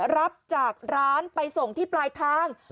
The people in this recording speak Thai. รับจากร้านไปส่งที่ปลายทาง